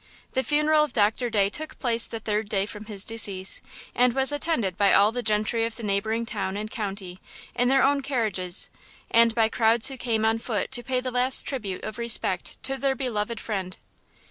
The funeral of Doctor Day took place the third day from his decease, and was attended by all the gentry of the neighboring town and county in their own carriages, and by crowds who came on foot to pay the last tribute of respect to their beloved friend.